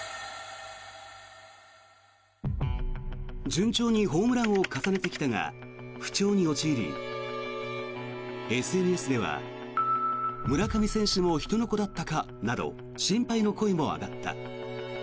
順調にホームランを重ねてきたが不調に陥りＳＮＳでは村上選手も人の子だったかなど心配の声も上がった。